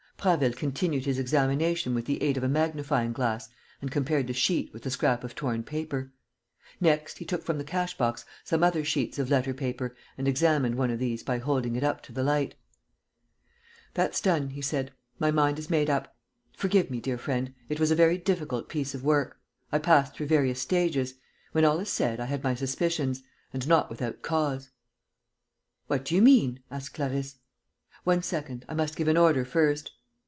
Prasville continued his examination with the aid of a magnifying glass and compared the sheet with the scrap of torn paper. Next, he took from the cash box some other sheets of letter paper and examined one of these by holding it up to the light: "That's done," he said. "My mind is made up. Forgive me, dear friend: it was a very difficult piece of work.... I passed through various stages. When all is said, I had my suspicions ... and not without cause...." "What do you mean?" asked Clarisse. "One second.... I must give an order first."